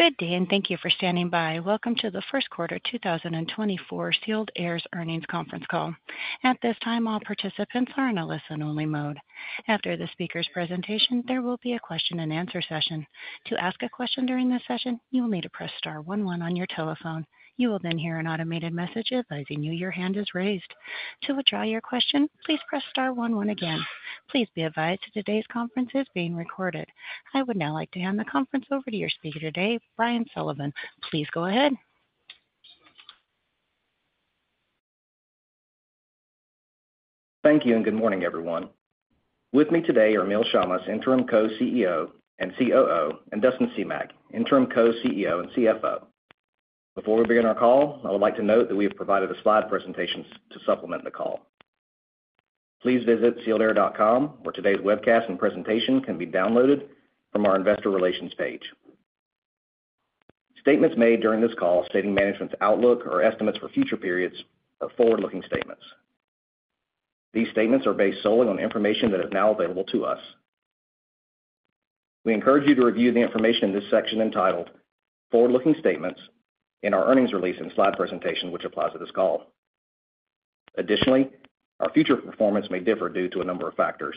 Good day, and thank you for standing by. Welcome to the first quarter 2024 Sealed Air's Earnings Conference Call. At this time, all participants are in a listen-only mode. After the speaker's presentation, there will be a question-and-answer session. To ask a question during this session, you will need to press star one one on your telephone. You will then hear an automated message advising you your hand is raised. To withdraw your question, please press star one one again. Please be advised today's conference is being recorded. I would now like to hand the conference over to your speaker today, Brian Sullivan. Please go ahead. Thank you, and good morning, everyone. With me today are Emile Chammas, Interim Co-CEO and COO, and Dustin Semach, Interim Co-CEO and CFO. Before we begin our call, I would like to note that we have provided a slide presentation to supplement the call. Please visit sealedair.com, where today's webcast and presentation can be downloaded from our investor relations page. Statements made during this call stating management's outlook or estimates for future periods are forward-looking statements. These statements are based solely on information that is now available to us. We encourage you to review the information in this section entitled "Forward-Looking Statements" in our earnings release and slide presentation, which applies to this call. Additionally, our future performance may differ due to a number of factors.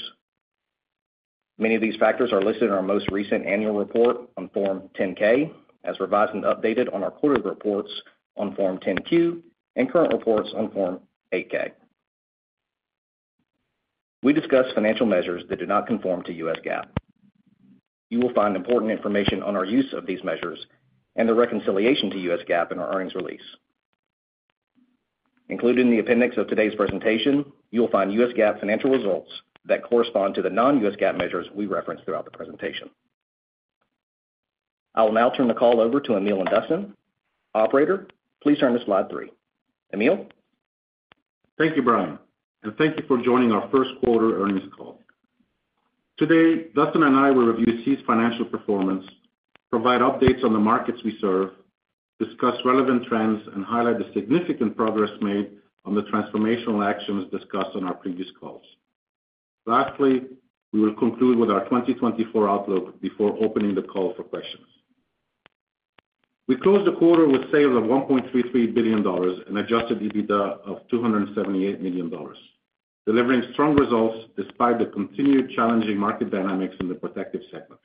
Many of these factors are listed in our most recent annual report on Form 10-K, as revised and updated on our quarterly reports on Form 10-Q and current reports on Form 8-K. We discuss financial measures that do not conform to U.S. GAAP. You will find important information on our use of these measures and the reconciliation to U.S. GAAP in our earnings release. Included in the appendix of today's presentation, you will find U.S. GAAP financial results that correspond to the non-U.S. GAAP measures we reference throughout the presentation. I will now turn the call over to Emile and Dustin. Operator, please turn to slide three. Emile? Thank you, Brian, and thank you for joining our first quarter earnings call. Today, Dustin and I will review SEE's financial performance, provide updates on the markets we serve, discuss relevant trends, and highlight the significant progress made on the transformational actions discussed on our previous calls. Lastly, we will conclude with our 2024 outlook before opening the call for questions. We closed the quarter with sales of $1.33 billion and adjusted EBITDA of $278 million, delivering strong results despite the continued challenging market dynamics in the Protective segment.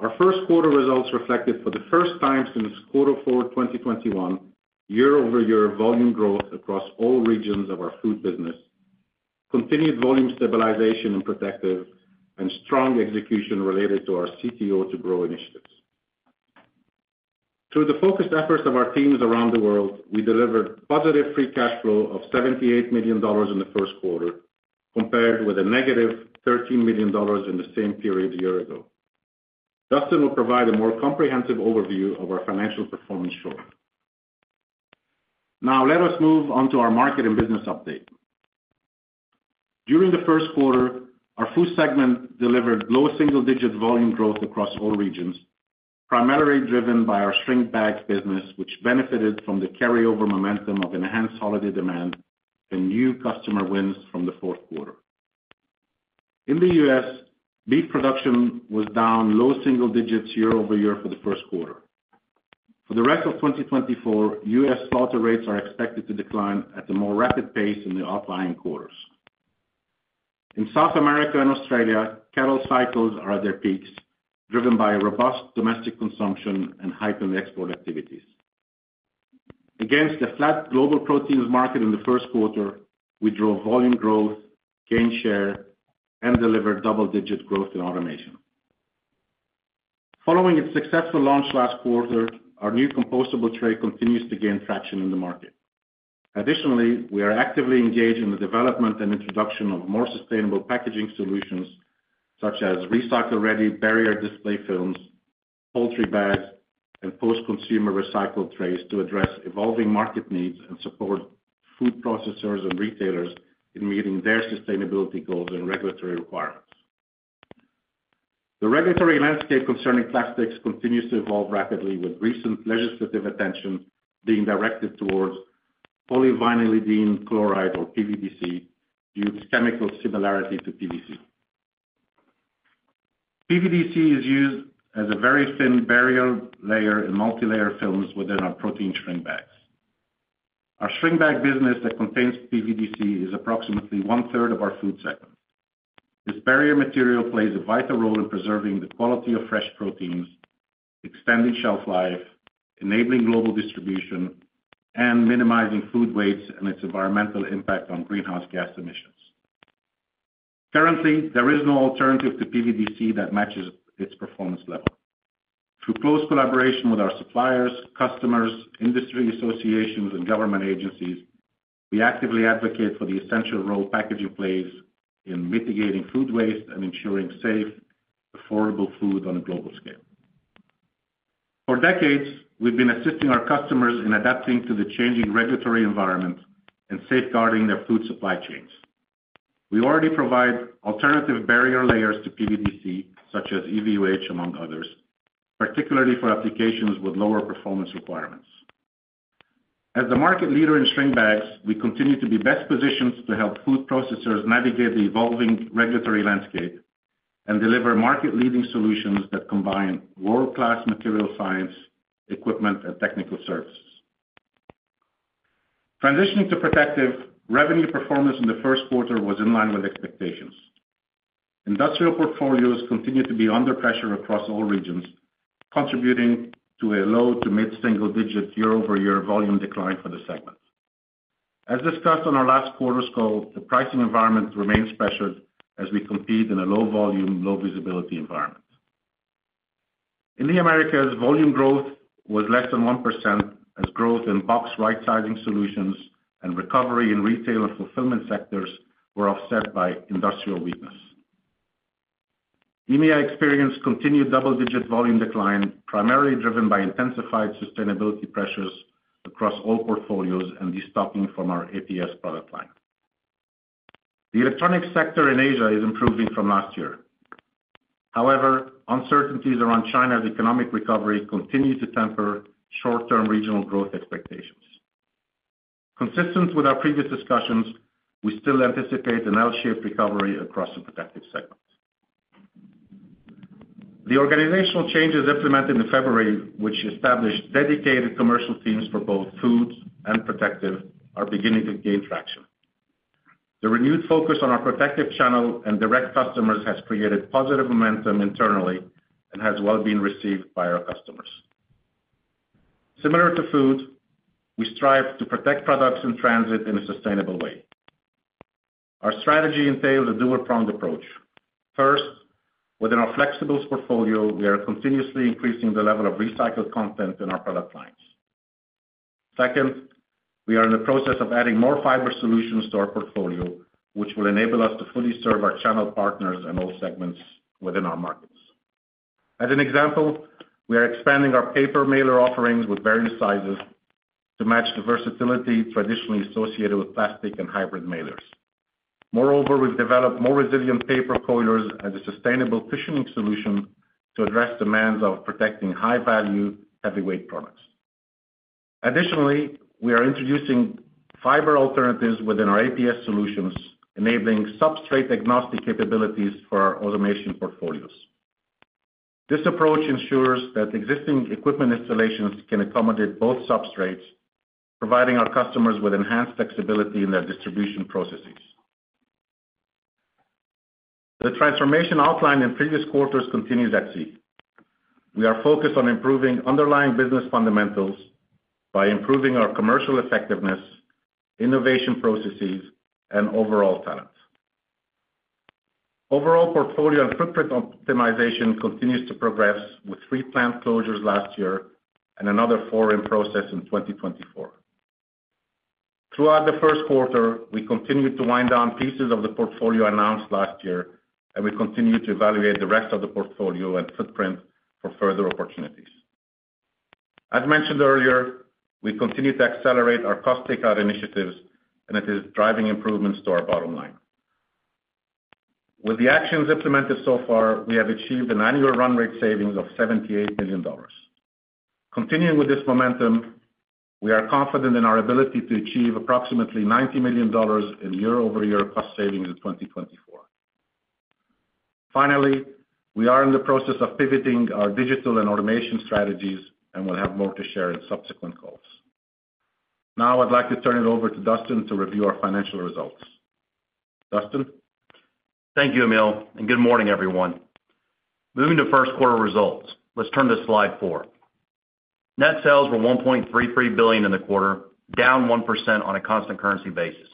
Our first quarter results reflected for the first time since Q4 2021, year-over-year volume growth across all regions of our food business, continued volume stabilization and protective, and strong execution related to our CTO2Grow initiatives. Through the focused efforts of our teams around the world, we delivered positive free cash flow of $78 million in the first quarter, compared with a negative $13 million in the same period a year ago. Dustin will provide a more comprehensive overview of our financial performance shortly. Now, let us move on to our market and business update. During the first quarter, our food segment delivered low single-digit volume growth across all regions, primarily driven by our shrink bag business, which benefited from the carryover momentum of enhanced holiday demand and new customer wins from the fourth quarter. In the U.S., beef production was down low single digits year-over-year for the first quarter. For the rest of 2024, U.S. slaughter rates are expected to decline at a more rapid pace in the outlying quarters. In South America and Australia, cattle cycles are at their peaks, driven by a robust domestic consumption and heightened export activities. Against a flat global proteins market in the first quarter, we drove volume growth, gain share, and delivered double-digit growth in automation. Following its successful launch last quarter, our new compostable tray continues to gain traction in the market. Additionally, we are actively engaged in the development and introduction of more sustainable packaging solutions, such as recycle-ready barrier display films, poultry bags, and post-consumer recycled trays, to address evolving market needs and support food processors and retailers in meeting their sustainability goals and regulatory requirements. The regulatory landscape concerning plastics continues to evolve rapidly, with recent legislative attention being directed towards polyvinylidene chloride, or PVDC, due to chemical similarity to PVC. PVDC is used as a very thin barrier layer in multilayer films within our protein shrink bags. Our shrink bag business that contains PVDC is approximately one-third of our Food segment. This barrier material plays a vital role in preserving the quality of fresh proteins, extending shelf life, enabling global distribution, and minimizing food waste and its environmental impact on greenhouse gas emissions. Currently, there is no alternative to PVDC that matches its performance level. Through close collaboration with our suppliers, customers, industry associations, and government agencies, we actively advocate for the essential role packaging plays in mitigating food waste and ensuring safe, affordable food on a global scale. For decades, we've been assisting our customers in adapting to the changing regulatory environment and safeguarding their food supply chains. We already provide alternative barrier layers to PVDC, such as EVOH, among others, particularly for applications with lower performance requirements. As the market leader in shrink bags, we continue to be best positioned to help food processors navigate the evolving regulatory landscape and deliver market-leading solutions that combine world-class material science, equipment, and technical services. Transitioning to Protective, revenue performance in the first quarter was in line with expectations. Industrial portfolios continue to be under pressure across all regions, contributing to a low- to mid-single-digit year-over-year volume decline for the segment. As discussed on our last quarter's call, the pricing environment remains pressured as we compete in a low-volume, low-visibility environment. In the Americas, volume growth was less than 1%, as growth in box right-sizing solutions and recovery in retail and fulfillment sectors were offset by industrial weakness. EMEA experienced continued double-digit volume decline, primarily driven by intensified sustainability pressures across all portfolios and destocking from our APS product line. The electronic sector in Asia is improving from last year. However, uncertainties around China's economic recovery continue to temper short-term regional growth expectations. Consistent with our previous discussions, we still anticipate an L-shaped recovery across the protective segments. The organizational changes implemented in February, which established dedicated commercial teams for both food and protective, are beginning to gain traction. The renewed focus on our protective channel and direct customers has created positive momentum internally and has well been received by our customers. Similar to food, we strive to protect products in transit in a sustainable way. Our strategy entails a dual-pronged approach. First, within our flexibles portfolio, we are continuously increasing the level of recycled content in our product lines. Second, we are in the process of adding more fiber solutions to our portfolio, which will enable us to fully serve our channel partners and all segments within our markets. As an example, we are expanding our paper mailer offerings with various sizes to match the versatility traditionally associated with plastic and hybrid mailers. Moreover, we've developed more resilient paper coilers as a sustainable cushioning solution to address demands of protecting high-value, heavyweight products. Additionally, we are introducing fiber alternatives within our APS solutions, enabling substrate-agnostic capabilities for our automation portfolios. This approach ensures that existing equipment installations can accommodate both substrates, providing our customers with enhanced flexibility in their distribution processes. The transformation outlined in previous quarters continues apace. We are focused on improving underlying business fundamentals by improving our commercial effectiveness, innovation processes, and overall talent. Overall portfolio and footprint optimization continues to progress, with 3 plant closures last year and another 4 in process in 2024. Throughout the first quarter, we continued to wind down pieces of the portfolio announced last year, and we continue to evaluate the rest of the portfolio and footprint for further opportunities. As mentioned earlier, we continue to accelerate our cost take-out initiatives, and it is driving improvements to our bottom line. With the actions implemented so far, we have achieved an annual run rate savings of $78 million. Continuing with this momentum, we are confident in our ability to achieve approximately $90 million in year-over-year cost savings in 2024. Finally, we are in the process of pivoting our digital and automation strategies, and we'll have more to share in subsequent calls. Now I'd like to turn it over to Dustin to review our financial results. Dustin? Thank you, Emile, and good morning, everyone. Moving to first quarter results, let's turn to slide four. Net sales were $1.33 billion in the quarter, down 1% on a constant currency basis.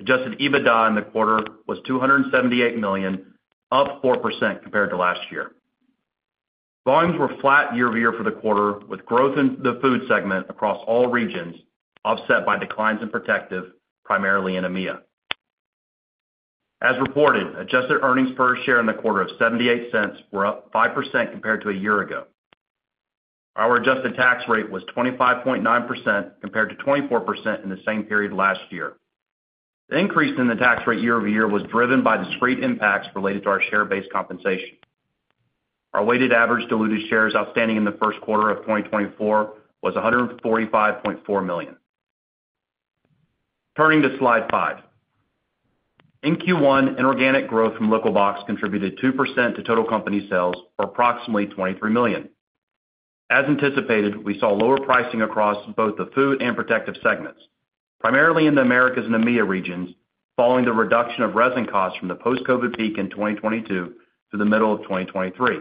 Adjusted EBITDA in the quarter was $278 million, up 4% compared to last year. Volumes were flat year-over-year for the quarter, with growth in the Food segment across all regions, offset by declines in Protective, primarily in EMEA. As reported, adjusted earnings per share in the quarter of $0.78 were up 5% compared to a year ago. Our adjusted tax rate was 25.9%, compared to 24% in the same period last year. The increase in the tax rate year-over-year was driven by discrete impacts related to our share-based compensation. Our weighted average diluted shares outstanding in the first quarter of 2024 was 145.4 million. Turning to Slide 5. In Q1, inorganic growth from Liquibox contributed 2% to total company sales, or approximately $23 million. As anticipated, we saw lower pricing across both the food and protective segments, primarily in the Americas and EMEA regions, following the reduction of resin costs from the post-COVID peak in 2022 to the middle of 2023.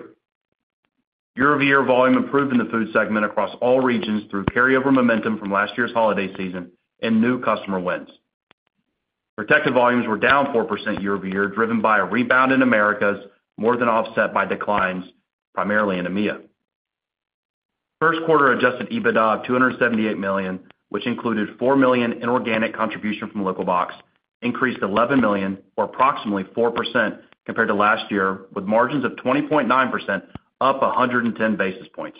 Year-over-year volume improved in the food segment across all regions through carryover momentum from last year's holiday season and new customer wins. Protective volumes were down 4% year-over-year, driven by a rebound in Americas, more than offset by declines, primarily in EMEA. First quarter Adjusted EBITDA of $278 million, which included $4 million inorganic contribution from Liquibox, increased $11 million, or approximately 4% compared to last year, with margins of 20.9%, up 110 basis points.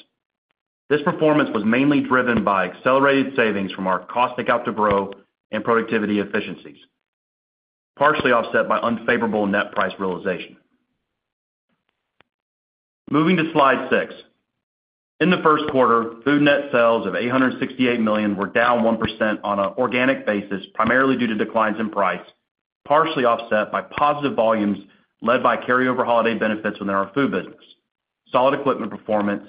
This performance was mainly driven by accelerated savings from our Cost Take-Out to Grow and productivity efficiencies, partially offset by unfavorable net price realization.... Moving to Slide 6. In the first quarter, food net sales of $868 million were down 1% on an organic basis, primarily due to declines in price, partially offset by positive volumes led by carryover holiday benefits within our food business, solid equipment performance,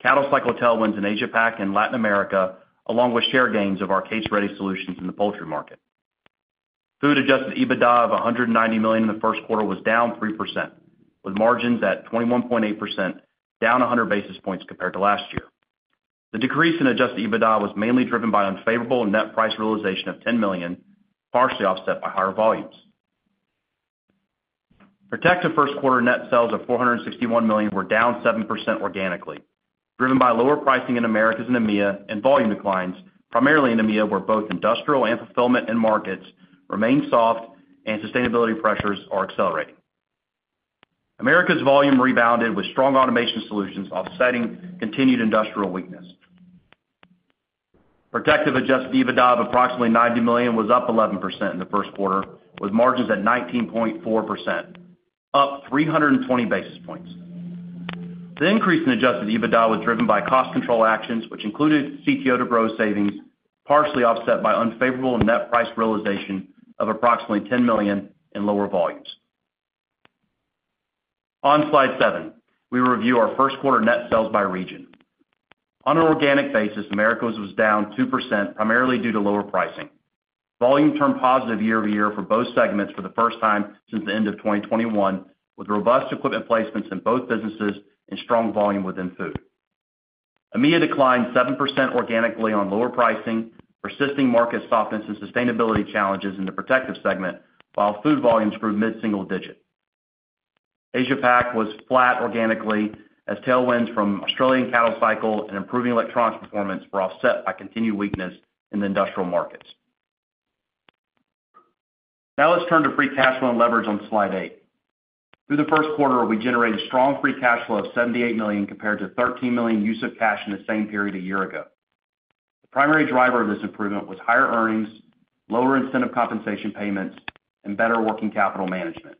cattle cycle tailwinds in Asia-Pac and Latin America, along with share gains of our case-ready solutions in the poultry market. Food Adjusted EBITDA of $190 million in the first quarter was down 3%, with margins at 21.8%, down 100 basis points compared to last year. The decrease in Adjusted EBITDA was mainly driven by unfavorable net price realization of $10 million, partially offset by higher volumes. Protective first quarter net sales of $461 million were down 7% organically, driven by lower pricing in Americas and EMEA and volume declines, primarily in EMEA, where both industrial and fulfillment end markets remain soft and sustainability pressures are accelerating. Americas volume rebounded, with strong automation solutions offsetting continued industrial weakness. Protective Adjusted EBITDA of approximately $90 million was up 11% in the first quarter, with margins at 19.4%, up 320 basis points. The increase in adjusted EBITDA was driven by cost control actions, which included CTO2Grow savings, partially offset by unfavorable net price realization of approximately $10 million in lower volumes. On Slide 7, we review our first quarter net sales by region. On an organic basis, Americas was down 2%, primarily due to lower pricing. Volume turned positive year-over-year for both segments for the first time since the end of 2021, with robust equipment placements in both businesses and strong volume within food. EMEA declined 7% organically on lower pricing, persisting market softness and sustainability challenges in the protective segment, while food volumes grew mid-single digit. Asia-Pac was flat organically as tailwinds from Australian cattle cycle and improving electronics performance were offset by continued weakness in the industrial markets. Now let's turn to free cash flow and leverage on Slide 8. Through the first quarter, we generated strong free cash flow of $78 million compared to $13 million use of cash in the same period a year ago. The primary driver of this improvement was higher earnings, lower incentive compensation payments, and better working capital management,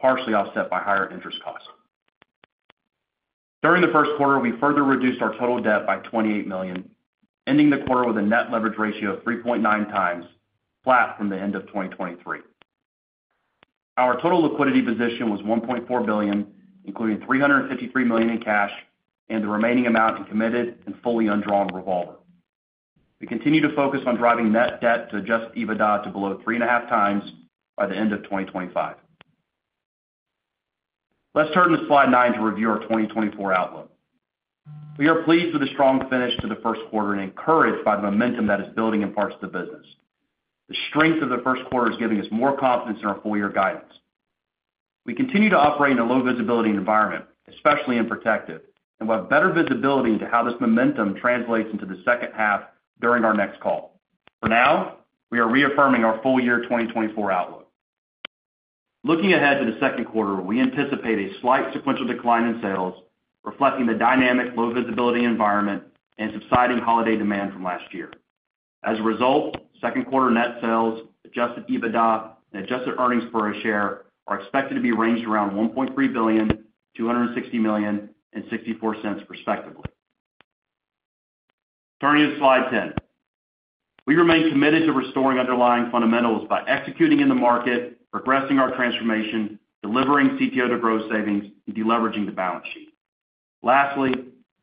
partially offset by higher interest costs. During the first quarter, we further reduced our total debt by $28 million, ending the quarter with a net leverage ratio of 3.9 times, flat from the end of 2023. Our total liquidity position was $1.4 billion, including $353 million in cash and the remaining amount in committed and fully undrawn revolver. We continue to focus on driving net debt to adjusted EBITDA to below 3.5 times by the end of 2025. Let's turn to Slide 9 to review our 2024 outlook. We are pleased with the strong finish to the first quarter and encouraged by the momentum that is building in parts of the business. The strength of the first quarter is giving us more confidence in our full year guidance. We continue to operate in a low visibility environment, especially in Protective, and we'll have better visibility into how this momentum translates into the second half during our next call. For now, we are reaffirming our full year 2024 outlook. Looking ahead to the second quarter, we anticipate a slight sequential decline in sales, reflecting the dynamic low visibility environment and subsiding holiday demand from last year. As a result, second quarter net sales, Adjusted EBITDA, and adjusted earnings per share are expected to be ranged around $1.3 billion, $260 million, and $0.64, respectively. Turning to Slide 10. We remain committed to restoring underlying fundamentals by executing in the market, progressing our transformation, delivering CTO to Grow savings, and deleveraging the balance sheet. Lastly,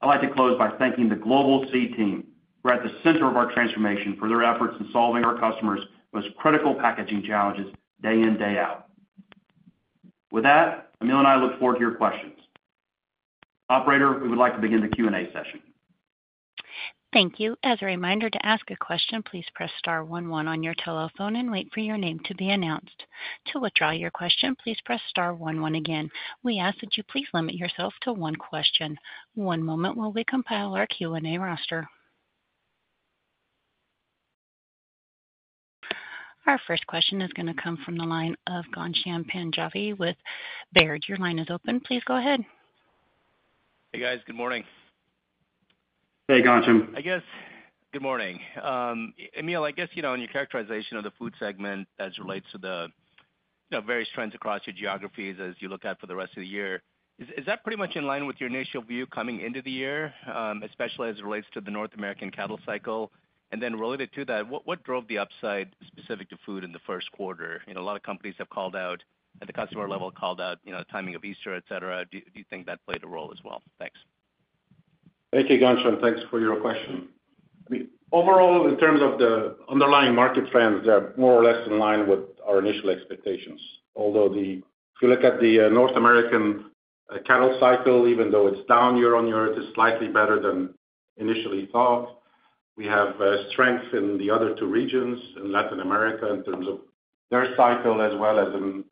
I'd like to close by thanking the global SEE team, who are at the center of our transformation, for their efforts in solving our customers' most critical packaging challenges day in, day out. With that, Emile and I look forward to your questions. Operator, we would like to begin the Q&A session. Thank you. As a reminder, to ask a question, please press star one one on your telephone and wait for your name to be announced. To withdraw your question, please press star one one again. We ask that you please limit yourself to one question. One moment while we compile our Q&A roster. Our first question is gonna come from the line of Ghansham Panjabi with Baird. Your line is open. Please go ahead. Hey, guys. Good morning. Hey, Ghansham. I guess, good morning. Emile, I guess, you know, in your characterization of the food segment as it relates to the, you know, various trends across your geographies as you look out for the rest of the year, is, is that pretty much in line with your initial view coming into the year, especially as it relates to the North American cattle cycle? And then related to that, what, what drove the upside specific to food in the first quarter? You know, a lot of companies have called out, at the customer level, called out, you know, timing of Easter, et cetera. Do, do you think that played a role as well? Thanks. Thank you, Ghansham. Thanks for your question. I mean, overall, in terms of the underlying market trends, they are more or less in line with our initial expectations. Although if you look at the North American cattle cycle, even though it's down year-over-year, it is slightly better than initially thought. We have strength in the other two regions, in Latin America, in terms of their cycle, as well as in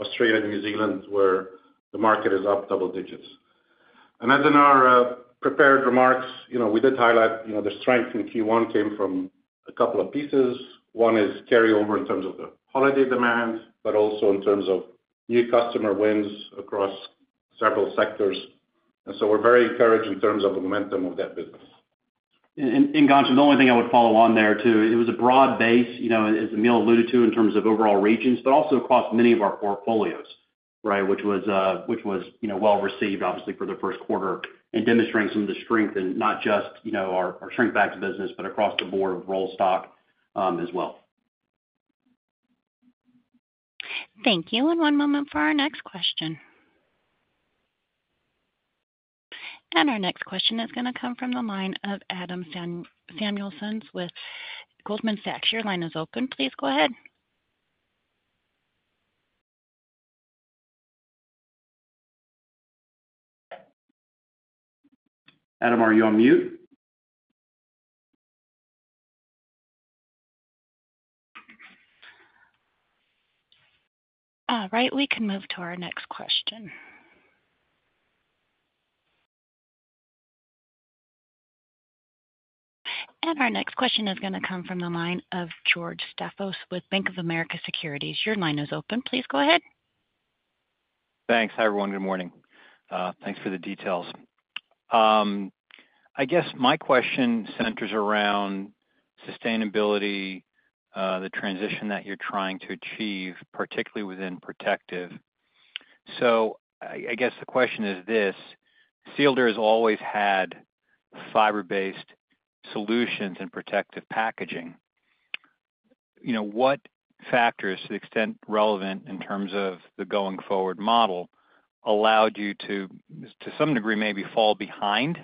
Australia and New Zealand, where the market is up double digits. And as in our prepared remarks, you know, we did highlight, you know, the strength in Q1 came from a couple of pieces. One is carryover in terms of the holiday demand, but also in terms of new customer wins across several sectors. And so we're very encouraged in terms of the momentum of that business.... And Ghansham, the only thing I would follow on there, too, it was a broad base, you know, as Emile alluded to, in terms of overall regions, but also across many of our portfolios, right? Which was, you know, well-received, obviously, for the first quarter, and demonstrating some of the strength in not just, you know, our shrink bags business, but across the board of rollstock, as well. Thank you, and one moment for our next question. Our next question is gonna come from the line of Adam Samuelson with Goldman Sachs. Your line is open. Please go ahead. Adam, are you on mute? Right, we can move to our next question. Our next question is gonna come from the line of George Staphos with Bank of America Securities. Your line is open. Please go ahead. Thanks. Hi, everyone. Good morning. Thanks for the details. I guess my question centers around sustainability, the transition that you're trying to achieve, particularly within protective. So I guess the question is this: Sealed Air has always had fiber-based solutions in protective packaging. You know, what factors, to the extent relevant in terms of the going forward model, allowed you to, to some degree, maybe fall behind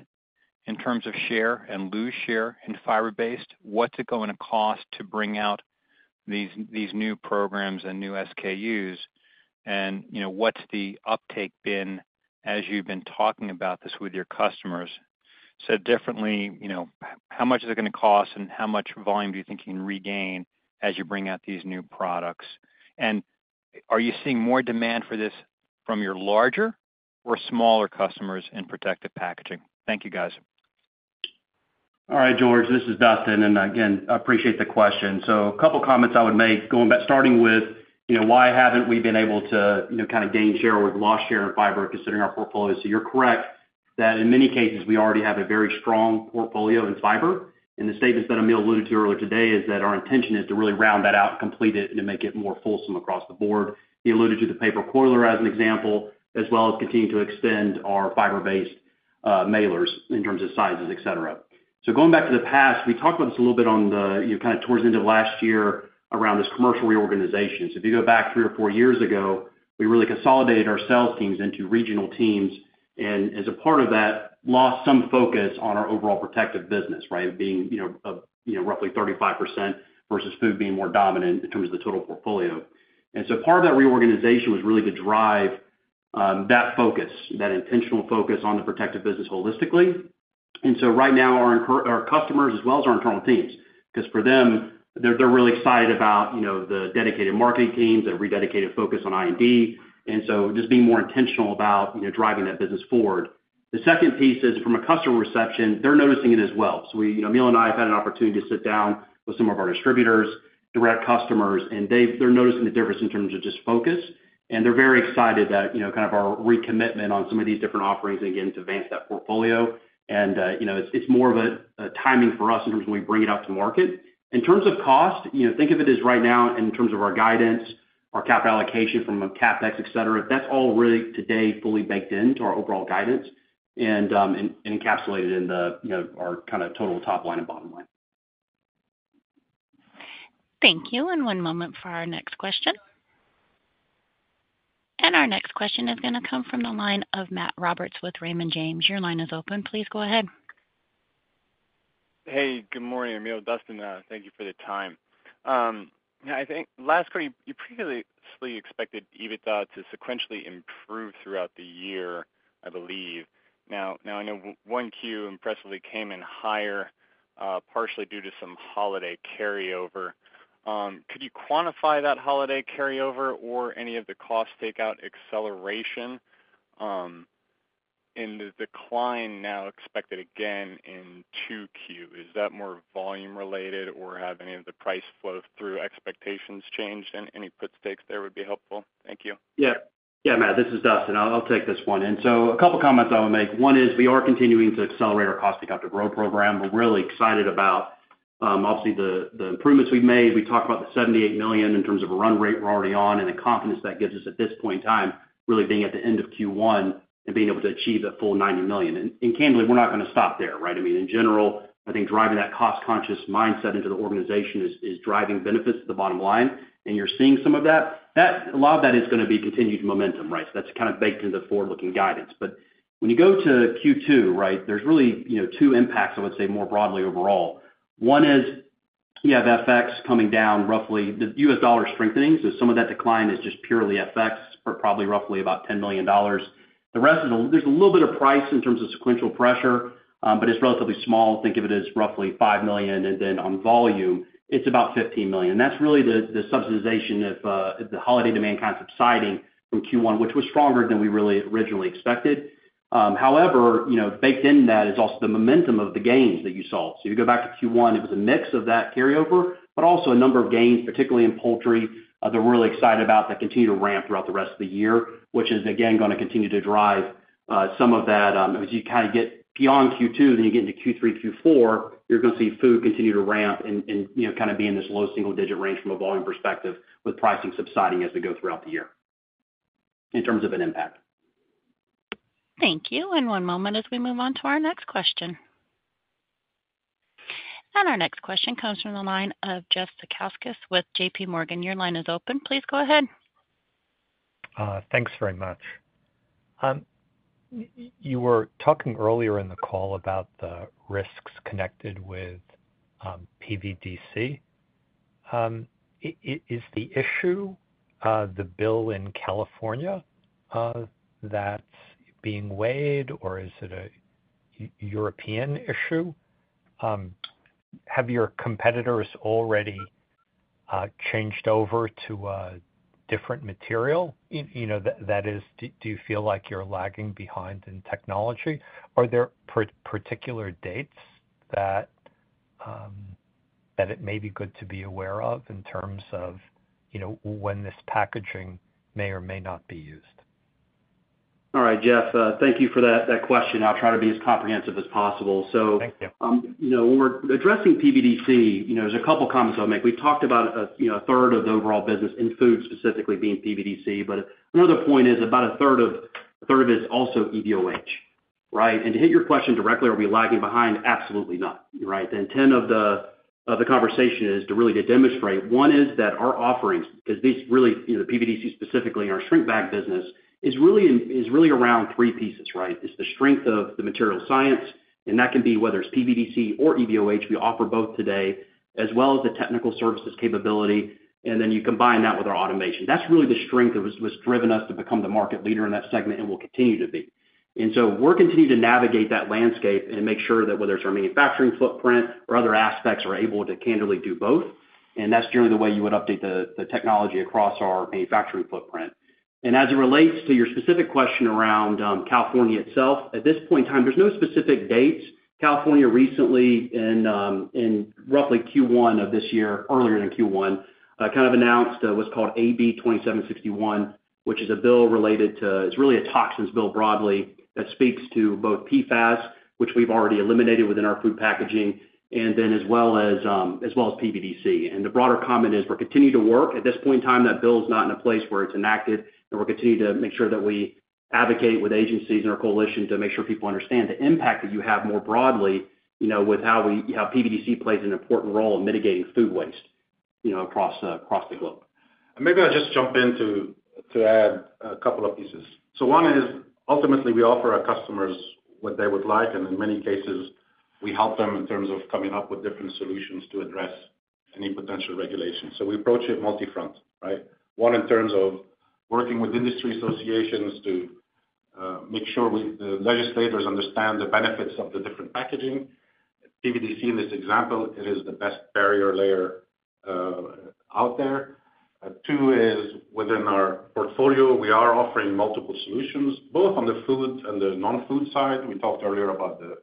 in terms of share and lose share in fiber-based? What's it gonna cost to bring out these new programs and new SKUs? And, you know, what's the uptake been as you've been talking about this with your customers? So differently, you know, how much is it gonna cost and how much volume do you think you can regain as you bring out these new products? Are you seeing more demand for this from your larger or smaller customers in protective packaging? Thank you, guys. All right, George, this is Dustin, and again, I appreciate the question. So a couple comments I would make, going back, starting with, you know, why haven't we been able to, you know, kind of gain share or we've lost share in fiber, considering our portfolio. So you're correct that in many cases, we already have a very strong portfolio in fiber. And the statements that Emile alluded to earlier today is that our intention is to really round that out, complete it, and make it more fulsome across the board. He alluded to the paper coiler as an example, as well as continuing to extend our fiber-based mailers in terms of sizes, et cetera. So going back to the past, we talked about this a little bit on the, you know, kind of towards the end of last year around this commercial reorganization. So if you go back three or four years ago, we really consolidated our sales teams into regional teams, and as a part of that, lost some focus on our overall protective business, right? Being, you know, you know, roughly 35% versus food being more dominant in terms of the total portfolio. And so part of that reorganization was really to drive that focus, that intentional focus on the protective business holistically. And so right now, our customers as well as our internal teams, 'cause for them, they're, they're really excited about, you know, the dedicated marketing teams, the rededicated focus on R&D, and so just being more intentional about, you know, driving that business forward. The second piece is from a customer reception, they're noticing it as well. So we, you know, Emile and I have had an opportunity to sit down with some of our distributors, direct customers, and they're noticing the difference in terms of just focus, and they're very excited that, you know, kind of our recommitment on some of these different offerings, again, to advance that portfolio. And, you know, it's, it's more of a, a timing for us in terms of when we bring it out to market. In terms of cost, you know, think of it as right now, in terms of our guidance, our capital allocation from a CapEx, et cetera, that's all really, today, fully baked into our overall guidance and, and, and encapsulated in the, you know, our kind of total top line and bottom line. Thank you, and one moment for our next question. Our next question is gonna come from the line of Matt Roberts with Raymond James. Your line is open. Please go ahead. Hey, good morning, Emile, Dustin, thank you for the time. I think last quarter, you previously expected EBITDA to sequentially improve throughout the year, I believe. Now, now I know 1Q impressively came in higher, partially due to some holiday carryover. Could you quantify that holiday carryover or any of the cost takeout acceleration, and the decline now expected again in 2Q? Is that more volume related, or have any of the price flow-through expectations changed? And any put stakes there would be helpful. Thank you. Yeah. Yeah, Matt, this is Dustin. I'll take this one. And so a couple comments I would make. One is we are continuing to accelerate our cost to growth program. We're really excited about, obviously, the improvements we've made. We talked about the $78 million in terms of a run rate we're already on, and the confidence that gives us at this point in time, really being at the end of Q1 and being able to achieve that full $90 million. And candidly, we're not gonna stop there, right? I mean, in general, I think driving that cost-conscious mindset into the organization is driving benefits to the bottom line, and you're seeing some of that. That, a lot of that is gonna be continued momentum, right? So that's kind of baked into the forward-looking guidance. But when you go to Q2, right, there's really, you know, two impacts, I would say, more broadly overall. One is, you have FX coming down, roughly. The US dollar is strengthening, so some of that decline is just purely FX, for probably roughly about $10 million. The rest is, there's a little bit of price in terms of sequential pressure, but it's relatively small. Think of it as roughly $5 million, and then on volume, it's about $15 million. And that's really the subsidization of the holiday demand kind of subsiding from Q1, which was stronger than we really originally expected. However, you know, baked into that is also the momentum of the gains that you saw. So you go back to Q1, it was a mix of that carryover, but also a number of gains, particularly in poultry, that we're really excited about, that continue to ramp throughout the rest of the year, which is again gonna continue to drive some of that, as you kind of get beyond Q2, then you get into Q3, Q4, you're gonna see food continue to ramp and, you know, kind of be in this low single digit range from a volume perspective, with pricing subsiding as we go throughout the year, in terms of an impact. Thank you. One moment as we move on to our next question. Our next question comes from the line of Jeff Zekauskas with J.P. Morgan. Your line is open. Please go ahead. Thanks very much. You were talking earlier in the call about the risks connected with PVDC. Is the issue the bill in California that's being weighed, or is it a European issue? Have your competitors already changed over to a different material? You know, that is, do you feel like you're lagging behind in technology? Are there particular dates that it may be good to be aware of in terms of, you know, when this packaging may or may not be used? All right, Jeff, thank you for that, that question. I'll try to be as comprehensive as possible. Thank you. So, you know, when we're addressing PVDC, you know, there's a couple comments I'll make. We've talked about a, you know, a third of the overall business in food, specifically being PVDC, but another point is about a third of, a third of it is also EVOH, right? And to hit your question directly, are we lagging behind? Absolutely not, right. The intent of the conversation is to really demonstrate, one is that our offerings, because these really, you know, the PVDC, specifically in our shrink bag business, is really around three pieces, right? It's the strength of the material science, and that can be whether it's PVDC or EVOH. We offer both today, as well as the technical services capability, and then you combine that with our automation. That's really the strength that was driven us to become the market leader in that segment and will continue to be. And so we're continuing to navigate that landscape and make sure that whether it's our manufacturing footprint or other aspects, are able to candidly do both. And that's generally the way you would update the technology across our manufacturing footprint. And as it relates to your specific question around California itself, at this point in time, there's no specific dates. California recently in roughly Q1 of this year, earlier in Q1, kind of announced what's called AB 2761, which is a bill related to. It's really a toxins bill broadly, that speaks to both PFAS, which we've already eliminated within our food packaging, and then as well as as well as PVDC. And the broader comment is we're continuing to work. At this point in time, that bill is not in a place where it's enacted, and we'll continue to make sure that we advocate with agencies and our coalition to make sure people understand the impact that you have more broadly, you know, with how PVDC plays an important role in mitigating food waste, you know, across, across the globe. Maybe I'll just jump in to add a couple of pieces. So one is, ultimately, we offer our customers what they would like, and in many cases, we help them in terms of coming up with different solutions to address any potential regulations. So we approach it multifront, right? One, in terms of working with industry associations to make sure the legislators understand the benefits of the different packaging. PVDC, in this example, it is the best barrier layer out there. Two is, within our portfolio, we are offering multiple solutions, both on the food and the non-food side. We talked earlier about the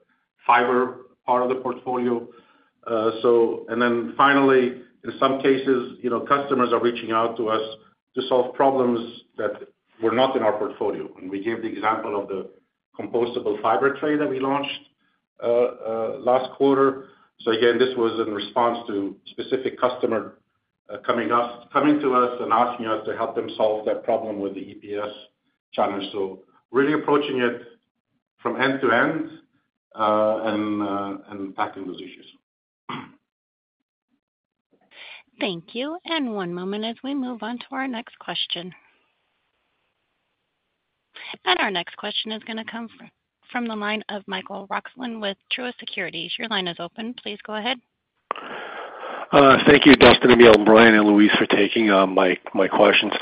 fiber part of the portfolio. And then finally, in some cases, you know, customers are reaching out to us to solve problems that were not in our portfolio. We gave the example of the compostable fiber tray that we launched last quarter. So again, this was in response to specific customer coming to us and asking us to help them solve that problem with the EPS challenge. So really approaching it from end to end and tackling those issues. Thank you. One moment as we move on to our next question. Our next question is gonna come from, from the line of Michael Roxland with Truist Securities. Your line is open. Please go ahead. Thank you, Dustin, Emile, Brian, and Louise, for taking my questions.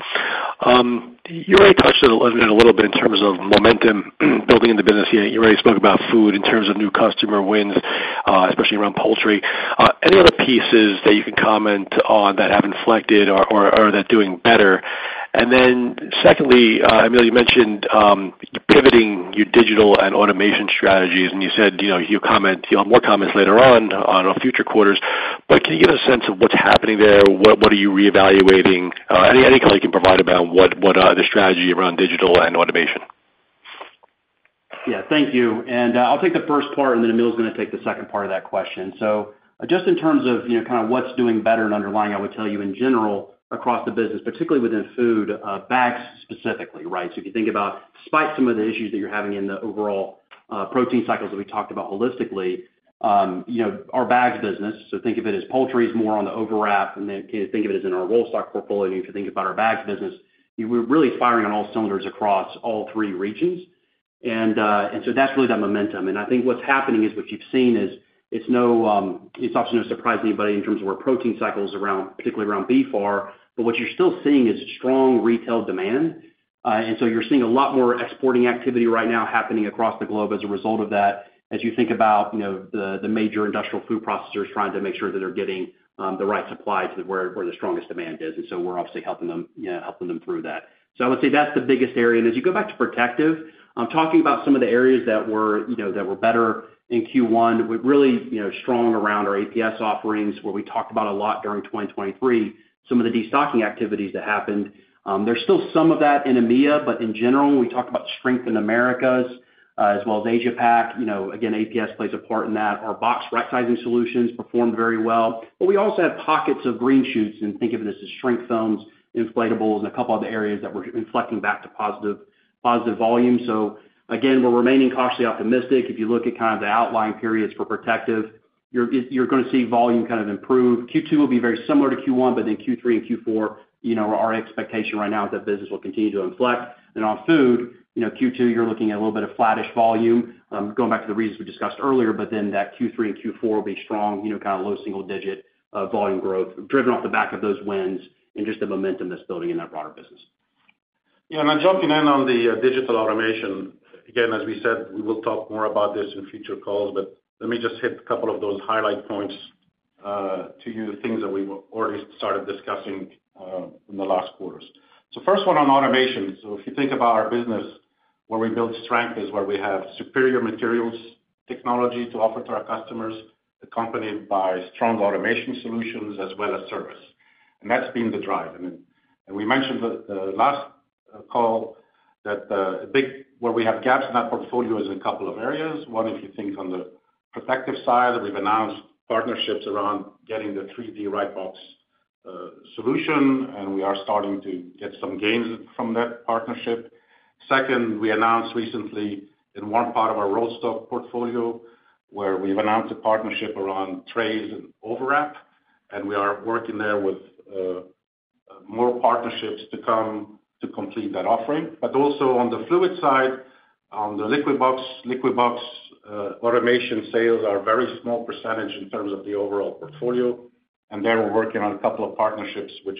You already touched a little bit in terms of momentum building in the business. You already spoke about food in terms of new customer wins, especially around poultry. Any other pieces that you can comment on that have inflected or are doing better? And then secondly, Emile, you mentioned you're pivoting your digital and automation strategies, and you said, you know, you'll have more comments later on our future quarters. But can you give a sense of what's happening there? What are you reevaluating? Any color you can provide about what the strategy around digital and automation? Yeah, thank you. And, I'll take the first part, and then Emile's gonna take the second part of that question. So just in terms of, you know, kind of what's doing better and underlying, I would tell you in general, across the business, particularly within food, bags specifically, right? So if you think about despite some of the issues that you're having in the overall, protein cycles that we talked about holistically, you know, our bags business, so think of it as poultry is more on the overwrap, and then think of it as in our rollstock portfolio, you can think about our bags business. We're really firing on all cylinders across all three regions. And, and so that's really that momentum. I think what's happening is what you've seen is, it's no, it's obviously no surprise to anybody in terms of where protein cycles around, particularly around beef are, but what you're still seeing is strong retail demand. And so you're seeing a lot more exporting activity right now happening across the globe as a result of that. As you think about, you know, the, the major industrial food processors trying to make sure that they're getting the right supply to where, where the strongest demand is, and so we're obviously helping them, you know, helping them through that. So I would say that's the biggest area. And as you go back to protective, I'm talking about some of the areas that were, you know, that were better in Q1. We're really, you know, strong around our APS offerings, where we talked about a lot during 2023, some of the destocking activities that happened. There's still some of that in EMEA, but in general, when we talk about strength in Americas, as well as Asia-Pac, you know, again, APS plays a part in that. Our box right sizing solutions performed very well, but we also had pockets of green shoots, and think of this as shrink films, inflatables, and a couple other areas that we're inflecting back to positive, positive volume. So again, we're remaining cautiously optimistic. If you look at kind of the outlying periods for protective, you're gonna see volume kind of improve. Q2 will be very similar to Q1, but then Q3 and Q4, you know, our expectation right now is that business will continue to inflect. Then, on food, you know, Q2, you're looking at a little bit of flattish volume, going back to the reasons we discussed earlier, but then Q3 and Q4 will be strong, you know, kind of low single-digit volume growth, driven off the back of those wins and just the momentum that's building in that broader business. Yeah, and then jumping in on the digital automation, again, as we said, we will talk more about this in future calls, but let me just hit a couple of those highlight points to you, the things that we've already started discussing in the last quarters. So first one on automation. So if you think about our business, where we build strength is where we have superior materials technology to offer to our customers, accompanied by strong automation solutions as well as service, and that's been the drive. I mean, and we mentioned the last call that, where we have gaps in that portfolio is in a couple of areas. One, if you think on the protective side, we've announced partnerships around getting the 3D right-sized box solution, and we are starting to get some gains from that partnership. Second, we announced recently in one part of our rolstock portfolio, where we've announced a partnership around trays and overwrap, and we are working there with more partnerships to come to complete that offering. But also on the fluid side, on the Liquibox, Liquibox automation sales are a very small percentage in terms of the overall portfolio, and there we're working on a couple of partnerships, which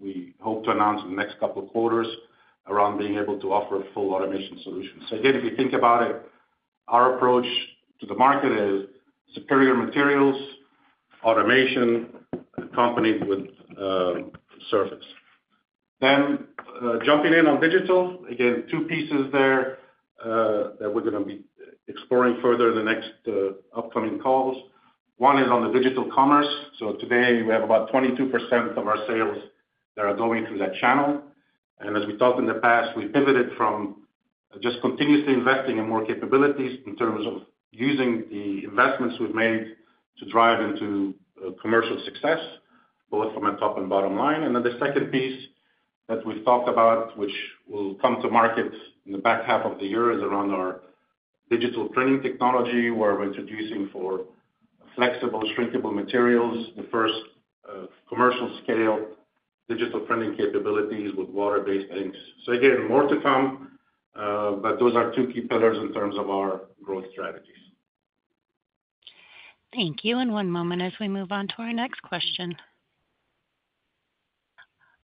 we hope to announce in the next couple of quarters, around being able to offer a full automation solution. So again, if you think about it, our approach to the market is superior materials, automation, accompanied with service. Then jumping in on digital, again, two pieces there that we're gonna be exploring further in the next upcoming calls. One is on the digital commerce. Today, we have about 22% of our sales that are going through that channel. As we talked in the past, we pivoted from just continuously investing in more capabilities in terms of using the investments we've made to drive into commercial success, both from a top and bottom line. Then the second piece that we've talked about, which will come to market in the back half of the year, is around our digital printing technology, where we're introducing for flexible, shrinkable materials, the first commercial scale digital printing capabilities with water-based inks. Again, more to come, but those are two key pillars in terms of our growth strategies. Thank you. One moment as we move on to our next question.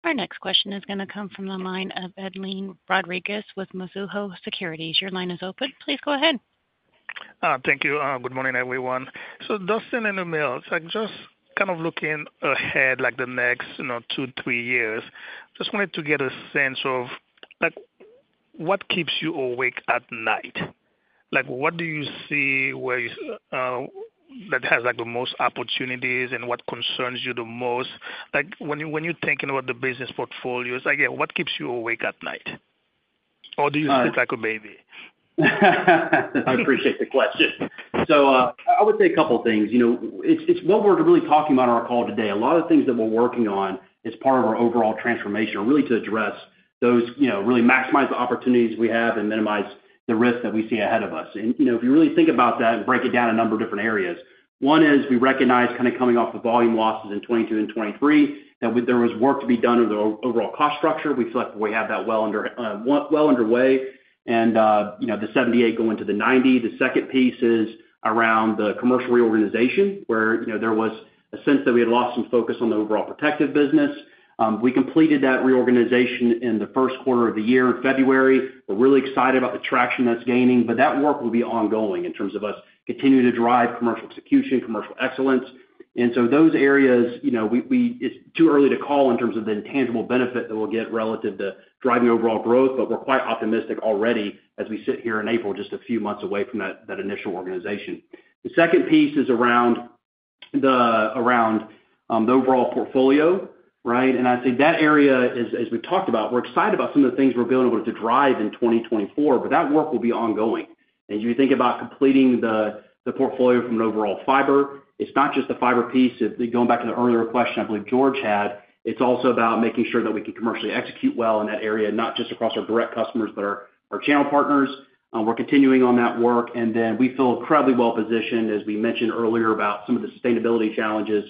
Our next question is gonna come from the line of Edlain Rodriguez with Mizuho Securities. Your line is open. Please go ahead. Thank you. Good morning, everyone. So Dustin and Emile, so just kind of looking ahead, like the next, you know, 2, 3 years, just wanted to get a sense of, like, what keeps you awake at night? Like, what do you see where that has, like, the most opportunities, and what concerns you the most? Like, when you're thinking about the business portfolios, again, what keeps you awake at night? Or do you sleep like a baby? I appreciate the question. So, I would say a couple of things. You know, it's, it's what we're really talking about on our call today. A lot of the things that we're working on as part of our overall transformation are really to address those, you know, really maximize the opportunities we have and minimize the risk that we see ahead of us. And, you know, if you really think about that and break it down a number of different areas, one is we recognize kind of coming off the volume losses in 2022 and 2023, that there was work to be done on the overall cost structure. We feel like we have that well under, well underway, and, you know, the 78 going to the 90. The second piece is around the commercial reorganization, where, you know, there was a sense that we had lost some focus on the overall protective business. We completed that reorganization in the first quarter of the year in February. We're really excited about the traction that's gaining, but that work will be ongoing in terms of us continuing to drive commercial execution, commercial excellence. And so those areas, you know, it's too early to call in terms of the tangible benefit that we'll get relative to driving overall growth, but we're quite optimistic already as we sit here in April, just a few months away from that initial organization. The second piece is around the overall portfolio, right? And I think that area is, as we talked about, we're excited about some of the things we're being able to drive in 2024, but that work will be ongoing. As you think about completing the portfolio from an overall fiber, it's not just the fiber piece. It's going back to the earlier question I believe George had, it's also about making sure that we can commercially execute well in that area, not just across our direct customers, but our channel partners. We're continuing on that work, and then we feel incredibly well positioned, as we mentioned earlier, about some of the sustainability challenges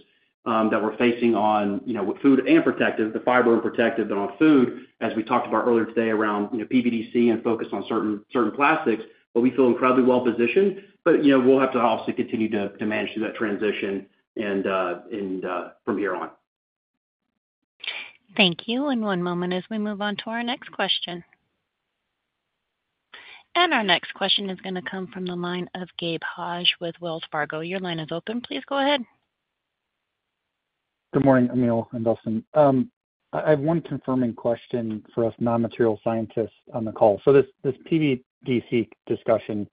that we're facing on, you know, with food and protective, the fiber and protective and on food, as we talked about earlier today, around, you know, PVDC and focused on certain plastics. But we feel incredibly well positioned, but, you know, we'll have to also continue to manage through that transition and from here on. Thank you. And one moment as we move on to our next question. And our next question is gonna come from the line of Gabe Hajde with Wells Fargo. Your line is open. Please go ahead. Good morning, Emile and Dustin. I have one confirming question for us non-material scientists on the call. So this PVDC discussion,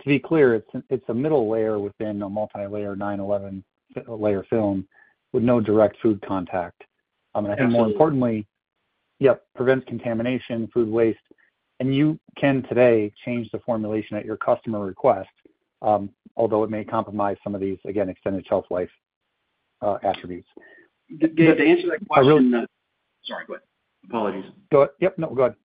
to be clear, it's a middle layer within a multilayer 9-11 layer film with no direct food contact. And more importantly-... Yep, prevents contamination, food waste, and you can today change the formulation at your customer request, although it may compromise some of these, again, extended shelf life, attributes. The answer to that question- I really- Sorry, go ahead. Apologies. Go. Yep, no, go ahead.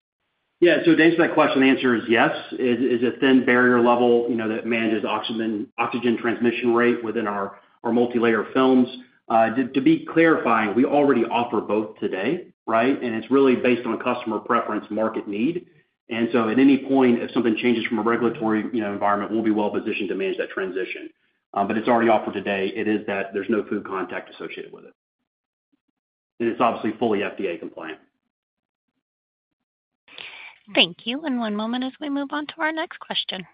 Yeah, so to answer that question, the answer is yes. It is a thin barrier level, you know, that manages oxygen, oxygen transmission rate within our multilayer films. To be clarifying, we already offer both today, right? And it's really based on customer preference, market need. And so at any point, if something changes from a regulatory, you know, environment, we'll be well positioned to manage that transition. But it's already offered today. It is that there's no food contact associated with it. And it's obviously fully FDA compliant. Thank you. One moment as we move on to our next question.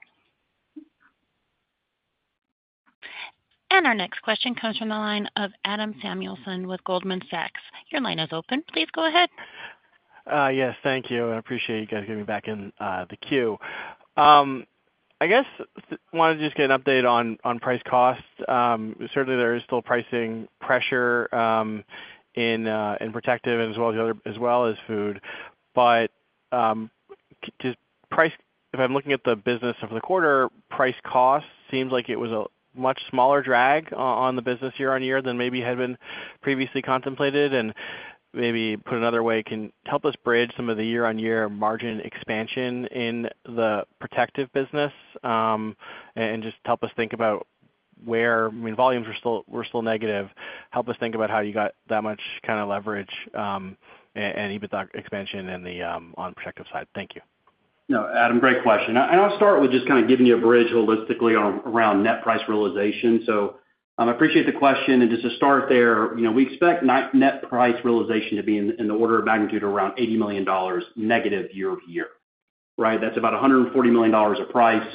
Our next question comes from the line of Adam Samuelson with Goldman Sachs. Your line is open. Please go ahead. Yes, thank you. I appreciate you guys getting me back in the queue. I guess wanted to just get an update on price costs. Certainly there is still pricing pressure in protective as well as the other as well as food. But just price if I'm looking at the business of the quarter, price cost seems like it was a much smaller drag on the business year-on-year than maybe had been previously contemplated. And maybe put another way, can help us bridge some of the year-on-year margin expansion in the protective business, and just help us think about where, I mean, volumes are still, were still negative. Help us think about how you got that much kind of leverage, and EBITDA expansion in the on protective side. Thank you. No, Adam, great question. I, and I'll start with just kind of giving you a bridge holistically on, around net price realization. So, I appreciate the question. And just to start there, you know, we expect net price realization to be in, in the order of magnitude around $80 million negative year over year, right? That's about $140 million of price,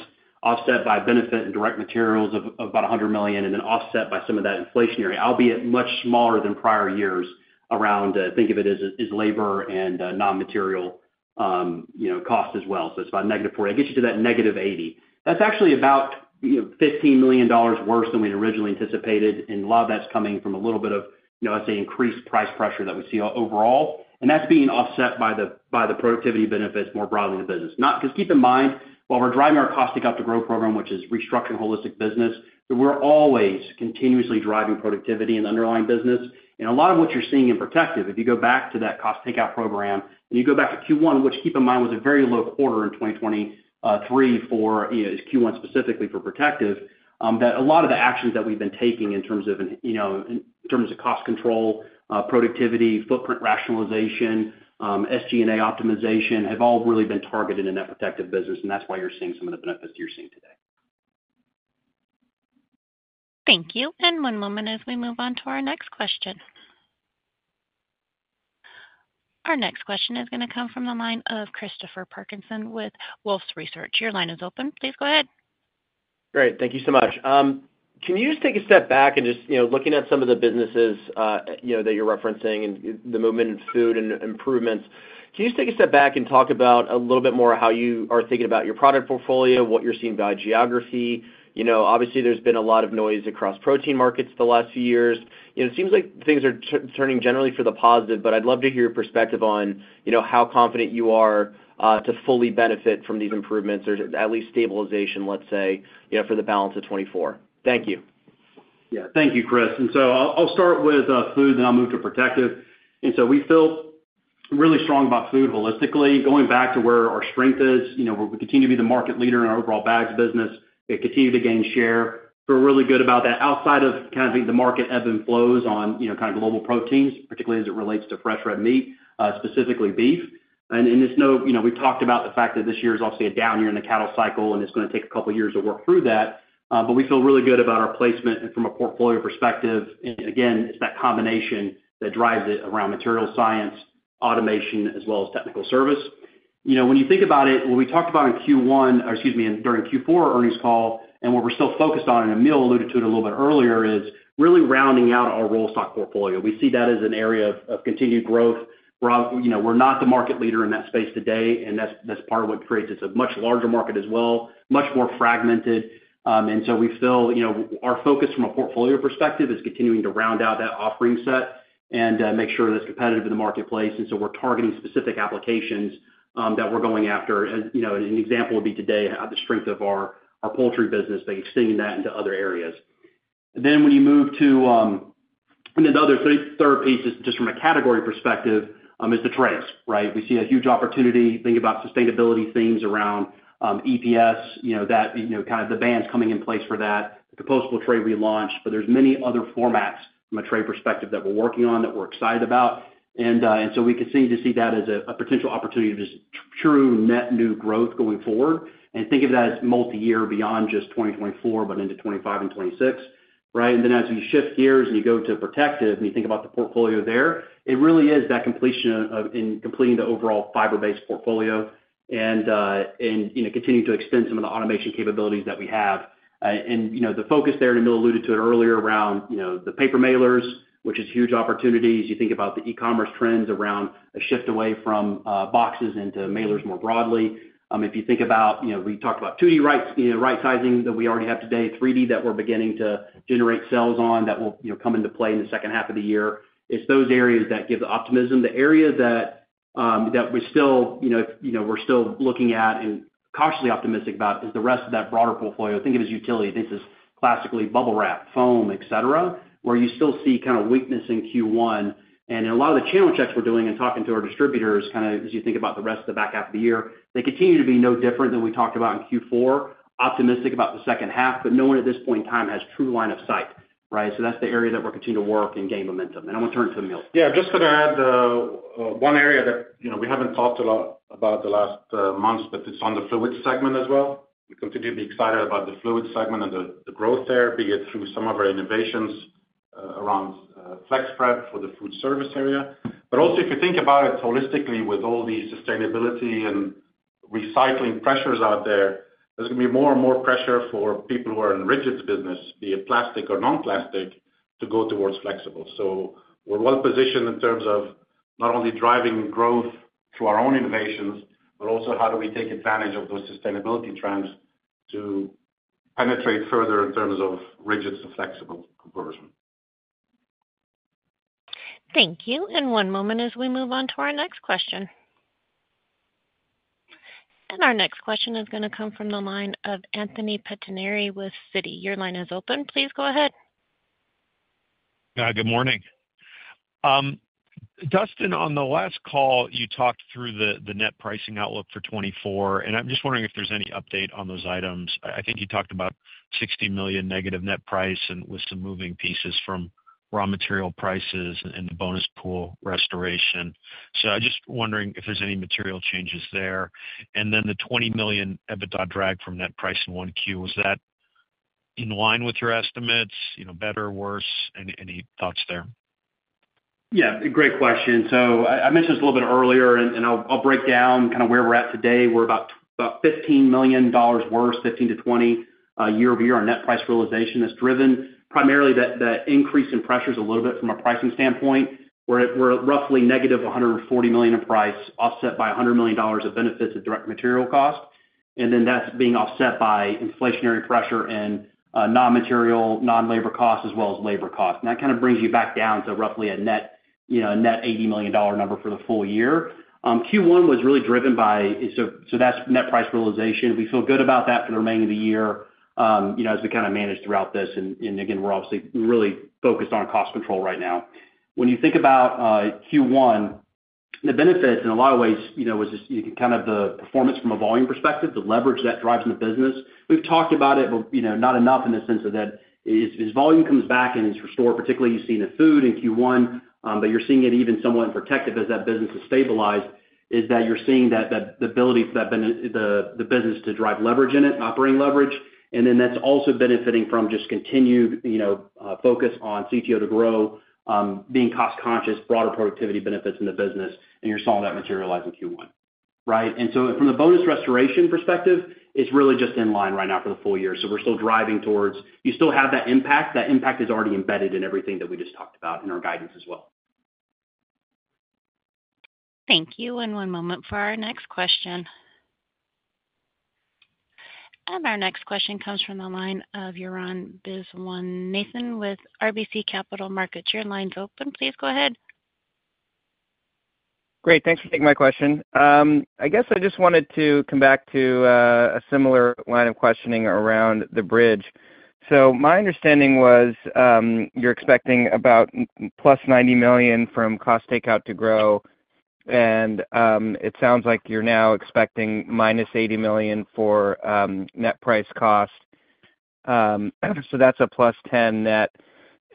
offset by benefit and direct materials of, of about $100 million, and then offset by some of that inflationary, albeit much smaller than prior years around, think of it as, as labor and, non-material, you know, costs as well. So it's about negative 40. It gets you to that negative 80. That's actually about, you know, $15 million worse than we'd originally anticipated, and a lot of that's coming from a little bit of, you know, I'd say, increased price pressure that we see overall, and that's being offset by the, by the productivity benefits more broadly in the business. Not because keep in mind, while we're driving our Cost Take-Out to Grow program, which is restructuring holistic business, that we're always continuously driving productivity in the underlying business. And a lot of what you're seeing in protective, if you go back to that cost takeout program, and you go back to Q1, which, keep in mind, was a very low quarter in 2023 for, you know, Q1, specifically for protective, that a lot of the actions that we've been taking in terms of, you know, in terms of cost control, productivity, footprint rationalization, SG&A optimization, have all really been targeted in that protective business, and that's why you're seeing some of the benefits you're seeing today. Thank you. One moment as we move on to our next question. Our next question is going to come from the line of Christopher Parkinson with Wolfe Research. Your line is open. Please go ahead. Great. Thank you so much. Can you just take a step back and just, you know, looking at some of the businesses, you know, that you're referencing and the movement in food and improvements, can you just take a step back and talk about a little bit more how you are thinking about your product portfolio, what you're seeing by geography? You know, obviously, there's been a lot of noise across protein markets the last few years. You know, it seems like things are turning generally for the positive, but I'd love to hear your perspective on, you know, how confident you are to fully benefit from these improvements or at least stabilization, let's say, you know, for the balance of 2024. Thank you. Yeah. Thank you, Chris. And so I'll start with food, and then I'll move to protective. And so we feel really strong about food holistically, going back to where our strength is. You know, we're we continue to be the market leader in our overall bags business. It continued to gain share. We're really good about that. Outside of kind of the market ebb and flows on, you know, kind of global proteins, particularly as it relates to fresh red meat, specifically beef. And there's no— you know, we've talked about the fact that this year is obviously a down year in the cattle cycle, and it's going to take a couple of years to work through that, but we feel really good about our placement and from a portfolio perspective, and again, it's that combination that drives it around material science, automation, as well as technical service. You know, when you think about it, when we talked about in Q1, or excuse me, during Q4 earnings call, and what we're still focused on, and Emile alluded to it a little bit earlier, is really rounding out our rollstock portfolio. We see that as an area of continued growth. You know, we're not the market leader in that space today, and that's part of what creates it. It's a much larger market as well, much more fragmented, and so we feel, you know, our focus from a portfolio perspective is continuing to round out that offering set and make sure that it's competitive in the marketplace. And so we're targeting specific applications that we're going after. As you know, an example would be today, the strength of our, our poultry business, but extending that into other areas. Then when you move to and then the other third piece is just from a category perspective is the trays, right? We see a huge opportunity, think about sustainability themes around EPS, you know, that, you know, kind of the bans coming in place for that, the compostable tray relaunch, but there's many other formats from a tray perspective that we're working on, that we're excited about. And so we continue to see that as a potential opportunity to just true net new growth going forward, and think of that as multiyear beyond just 2024, but into 2025 and 2026, right? And then as you shift gears and you go to protective, and you think about the portfolio there, it really is that completion of completing the overall fiber-based portfolio and, you know, continuing to extend some of the automation capabilities that we have. You know, the focus there, and Emile alluded to it earlier around, you know, the paper mailers, which is huge opportunities. You think about the e-commerce trends around a shift away from boxes into mailers more broadly. If you think about, you know, we talked about 2D rights, you know, right sizing that we already have today, 3D, that we're beginning to generate sales on, that will, you know, come into play in the second half of the year. It's those areas that give optimism. The area that we still, you know, we're still looking at and cautiously optimistic about is the rest of that broader portfolio. Think of it as utility. This is classically Bubble Wrap, foam, et cetera, where you still see kind of weakness in Q1. In a lot of the channel checks we're doing and talking to our distributors, kind of as you think about the rest of the back half of the year, they continue to be no different than we talked about in Q4, optimistic about the second half, but no one at this point in time has true line of sight, right? So that's the area that we're continuing to work and gain momentum. I want to turn it to Emile. Yeah, just to add, one area that, you know, we haven't talked a lot about the last months, but it's on the Food segment as well. We continue to be excited about the Food segment and the, the growth there, be it through some of our innovations, around, FlexPrep for the food service area. But also, if you think about it holistically, with all the sustainability and recycling pressures out there, there's going to be more and more pressure for people who are in rigids business, be it plastic or non-plastic, to go towards flexible. So we're well positioned in terms of not only driving growth through our own innovations, but also how do we take advantage of those sustainability trends to penetrate further in terms of rigids and flexible conversion. Thank you. And one moment as we move on to our next question. And our next question is going to come from the line of Anthony Pettinari with Citi. Your line is open. Please go ahead. Good morning. Dustin, on the last call, you talked through the net pricing outlook for 2024, and I'm just wondering if there's any update on those items. I think you talked about $60 million negative net price and with some moving pieces from raw material prices and the bonus pool restoration. So I'm just wondering if there's any material changes there. And then the $20 million EBITDA drag from net price in 1Q, was that in line with your estimates, you know, better or worse? Any thoughts there? Yeah, great question. So I mentioned this a little bit earlier, and I'll break down kind of where we're at today. We're about $15 million worse, 15-20 year-over-year. Our net price realization is driven primarily that increase in pressures a little bit from a pricing standpoint, where we're roughly -$140 million in price, offset by $100 million of benefits of direct material cost. And then that's being offset by inflationary pressure and non-material, non-labor costs, as well as labor costs. And that kind of brings you back down to roughly a net, you know, a net $80 million number for the full year. Q1 was really driven by. So that's net price realization. We feel good about that for the remaining of the year, you know, as we kind of manage throughout this. And again, we're obviously really focused on cost control right now. When you think about Q1, the benefits in a lot of ways, you know, was just kind of the performance from a volume perspective, the leverage that drives the business. We've talked about it, but you know, not enough in the sense of that as volume comes back and it's restored, particularly, you've seen in food in Q1, but you're seeing it even somewhat in protective as that business is stabilized, is that you're seeing that the ability for that the business to drive leverage in it, operating leverage. And then that's also benefiting from just continued, you know, focus on CTO2Grow, being cost conscious, broader productivity benefits in the business, and you're seeing that materialize in Q1, right? And so from the bonus restoration perspective, it's really just in line right now for the full year. So we're still driving towards... You still have that impact. That impact is already embedded in everything that we just talked about in our guidance as well. Thank you. One moment for our next question. Our next question comes from the line of Arun Viswanathan with RBC Capital Markets. Your line's open. Please go ahead. Great, thanks for taking my question. I guess I just wanted to come back to, a similar line of questioning around the bridge. So my understanding was, you're expecting about plus $90 million from cost takeout to grow, and, it sounds like you're now expecting minus $80 million for, net price cost. So that's a plus $10 million net.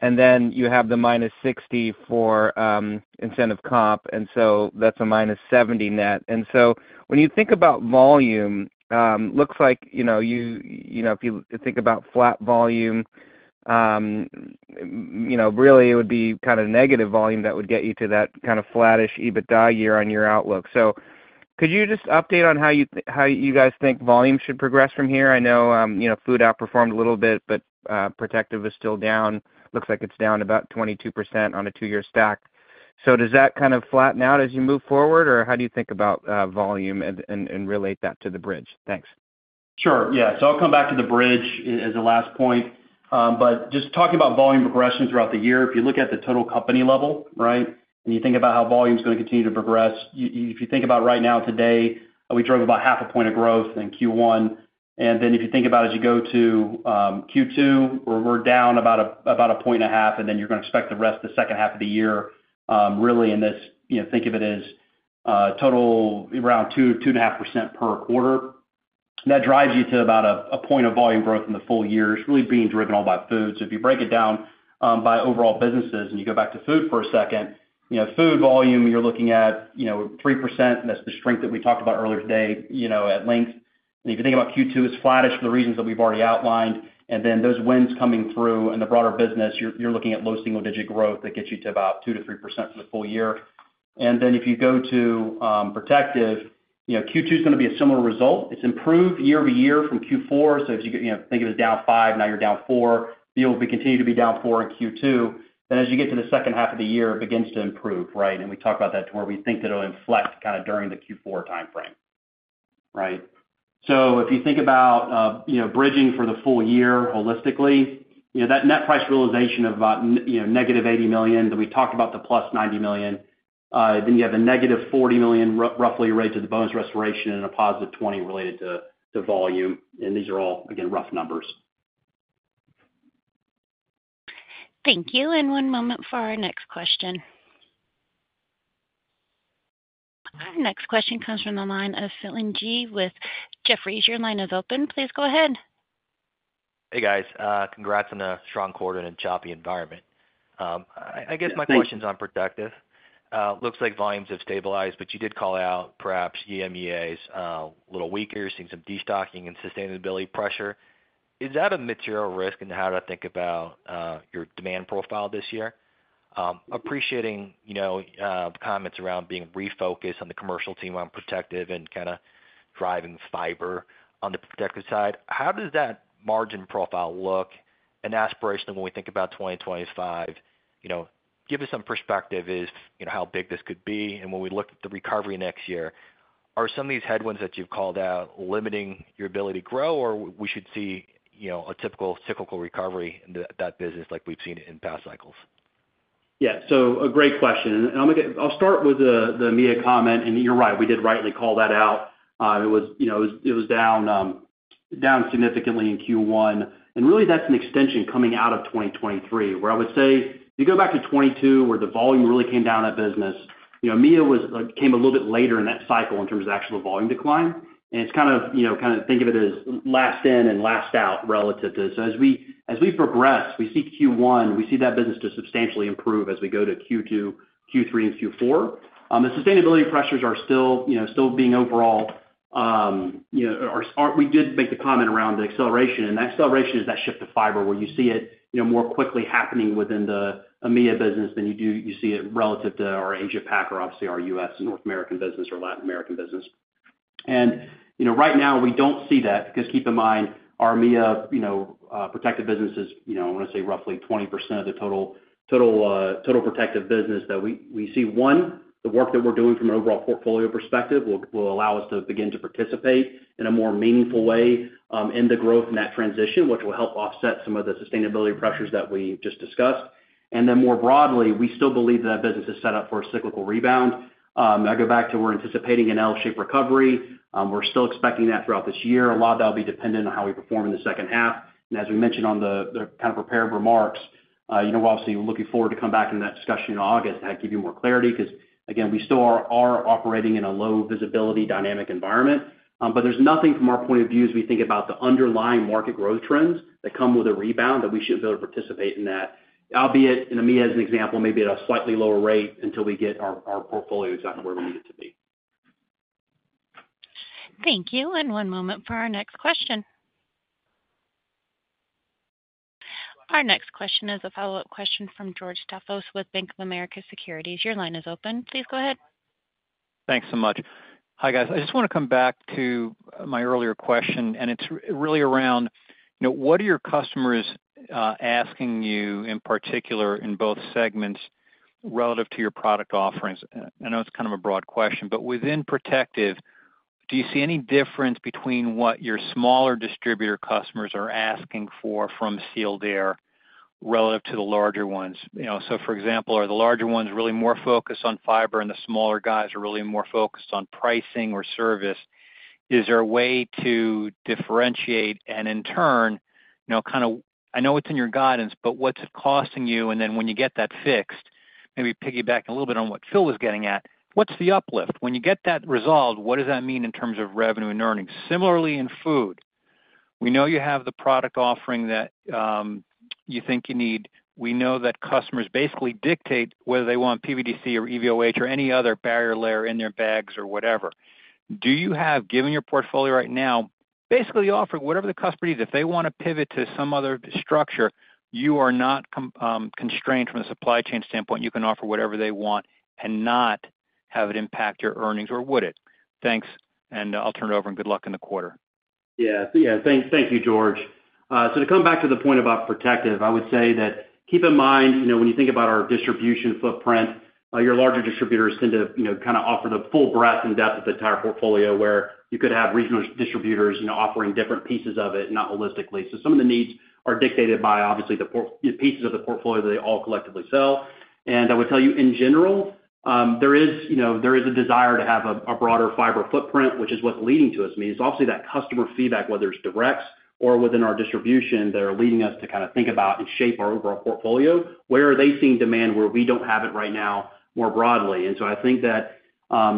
And then you have the minus $60 million for, incentive comp, and so that's a minus $70 million net. And so when you think about volume, looks like, you know, you know, if you think about flat volume, you know, really it would be kind of negative volume that would get you to that kind of flattish EBITDA year on your outlook. So could you just update on how you guys think volume should progress from here? I know, you know, food outperformed a little bit, but protective is still down. Looks like it's down about 22% on a two-year stack. So does that kind of flatten out as you move forward, or how do you think about volume and relate that to the bridge? Thanks. Sure. Yeah. So I'll come back to the bridge as the last point. But just talking about volume progression throughout the year, if you look at the total company level, right, and you think about how volume is going to continue to progress, if you think about right now, today, we drove about 0.5 point of growth in Q1. And then if you think about as you go to Q2, where we're down about 1.5 point, and then you're going to expect the rest of the second half of the year, really in this, you know, think of it as total around 2%-2.5% per quarter. That drives you to about 1 point of volume growth in the full year. It's really being driven all by food. So if you break it down by overall businesses, and you go back to food for a second, you know, food volume, you're looking at, you know, 3%, and that's the strength that we talked about earlier today, you know, at length. And if you think about Q2, it's flattish for the reasons that we've already outlined. And then those winds coming through and the broader business, you're looking at low single digit growth that gets you to about 2%-3% for the full year. And then if you go to protective, you know, Q2 is going to be a similar result. It's improved year-over-year from Q4. So if you know, think it was down 5, now you're down 4. You'll continue to be down 4 in Q2. Then as you get to the second half of the year, it begins to improve, right? And we talked about that to where we think that it'll inflect kind of during the Q4 timeframe... Right. So if you think about, you know, bridging for the full year holistically, you know, that net price realization of about, you know, negative $80 million, then we talked about the +$90 million, then you have the negative $40 million roughly related to the bonus restoration and a +$20 related to volume. And these are all, again, rough numbers. Thank you. One moment for our next question. Our next question comes from the line of Phil Ng with Jefferies. Your line is open. Please go ahead. Hey, guys, congrats on a strong quarter in a choppy environment. I guess my question's- Thanks. - on Protective. Looks like volumes have stabilized, but you did call out perhaps EMEA's a little weaker, seeing some destocking and sustainability pressure. Is that a material risk, and how do I think about your demand profile this year? Appreciating, you know, comments around being refocused on the commercial team on Protective and kind of driving fiber on the Protective side, how does that margin profile look and aspirationally when we think about 2025? You know, give us some perspective is, you know, how big this could be, and when we look at the recovery next year, are some of these headwinds that you've called out limiting your ability to grow, or we should see, you know, a typical cyclical recovery in that business like we've seen it in past cycles? Yeah, so a great question. And I'm gonna get—I'll start with the, the EMEA comment, and you're right, we did rightly call that out. It was, you know, it was down significantly in Q1. And really, that's an extension coming out of 2023, where I would say, if you go back to 2022, where the volume really came down that business, you know, EMEA was came a little bit later in that cycle in terms of actual volume decline. And it's kind of, you know, kind of think of it as last in and last out relative to. So as we, as we progress, we see Q1, we see that business to substantially improve as we go to Q2, Q3, and Q4. The sustainability pressures are still, you know, still being overall, you know, are... We did make the comment around the acceleration, and that acceleration is that shift to fiber, where you see it, you know, more quickly happening within the EMEA business than you do. You see it relative to our Asia-Pac or obviously our US, North American business or Latin American business. And, you know, right now, we don't see that because keep in mind, our EMEA, you know, Protective business is, you know, I want to say roughly 20% of the total Protective business that we see. One, the work that we're doing from an overall portfolio perspective will allow us to begin to participate in a more meaningful way in the growth in that transition, which will help offset some of the sustainability pressures that we just discussed. And then more broadly, we still believe that business is set up for a cyclical rebound. I go back to we're anticipating an L-shaped recovery. We're still expecting that throughout this year. A lot of that will be dependent on how we perform in the second half. As we mentioned on the kind of prepared remarks, you know, obviously, we're looking forward to come back in that discussion in August, and I'll give you more clarity because, again, we still are operating in a low visibility, dynamic environment. But there's nothing from our point of view as we think about the underlying market growth trends that come with a rebound, that we should be able to participate in that, albeit in EMEA, as an example, maybe at a slightly lower rate until we get our portfolio exactly where we need it to be. Thank you, and one moment for our next question. Our next question is a follow-up question from George Staphos with Bank of America Securities. Your line is open. Please go ahead. Thanks so much. Hi, guys. I just want to come back to my earlier question, and it's really around, you know, what are your customers asking you, in particular, in both segments, relative to your product offerings? I know it's kind of a broad question, but within Protective, do you see any difference between what your smaller distributor customers are asking for from Sealed Air relative to the larger ones? You know, so for example, are the larger ones really more focused on fiber, and the smaller guys are really more focused on pricing or service? Is there a way to differentiate and in turn, you know, kind of... I know it's in your guidance, but what's it costing you? And then when you get that fixed, maybe piggyback a little bit on what Phil was getting at, what's the uplift? When you get that resolved, what does that mean in terms of revenue and earnings? Similarly, in Food, we know you have the product offering that you think you need. We know that customers basically dictate whether they want PVC or EVOH or any other barrier layer in their bags or whatever. Do you have, given your portfolio right now, basically offer whatever the customer needs. If they want to pivot to some other structure, you are not constrained from a supply chain standpoint, you can offer whatever they want and not have it impact your earnings, or would it? Thanks, and I'll turn it over, and good luck in the quarter. Yeah. Yeah, thank, thank you, George. So to come back to the point about Protective, I would say that keep in mind, you know, when you think about our distribution footprint, your larger distributors tend to, you know, kind of offer the full breadth and depth of the entire portfolio, where you could have regional distributors, you know, offering different pieces of it, not holistically. So some of the needs are dictated by, obviously, the pieces of the portfolio they all collectively sell. And I would tell you, in general, there is, you know, there is a desire to have a broader fiber footprint, which is what's leading to us. I mean, it's obviously that customer feedback, whether it's direct or within our distribution, that are leading us to kind of think about and shape our overall portfolio. Where are they seeing demand where we don't have it right now, more broadly? And so I think that